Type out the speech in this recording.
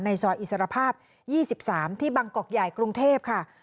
ซอยอิสรภาพ๒๓ที่บางกอกใหญ่กรุงเทพค่ะ